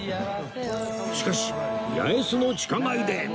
しかし八重洲の地下街で